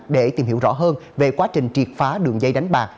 để tìm hiểu rõ hơn về quá trình triệt phá đường dây đánh bạc